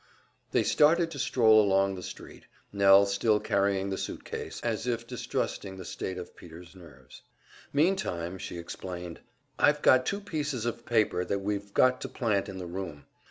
They started to stroll along the street, Nell still carrying the suit case, as if distrusting the state of Peter's nerves, Meantime she explained, "I've got two pieces of paper that we've got to plant in the room.